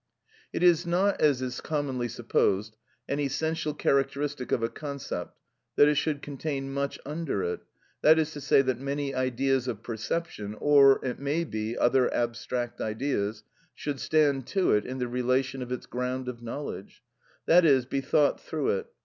(13) It is not, as is commonly supposed, an essential characteristic of a concept that it should contain much under it, that is to say, that many ideas of perception, or it may be other abstract ideas, should stand to it in the relation of its ground of knowledge, i.e., be thought through it.